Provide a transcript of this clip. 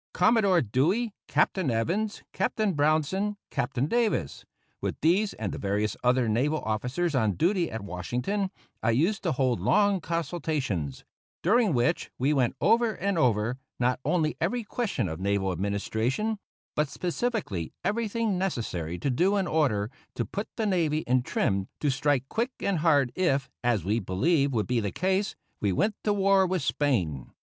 Commodore Dewey, Captain Evans, Captain Brownson, Captain Davis with these and the various other naval officers on duty at Washington I used to hold long consultations, during which we went over and over, not only every question of naval administration, but specifically everything necessary to do in order to put the navy in trim to strike quick and hard if, as we believed would be the case, we went to war with Spain.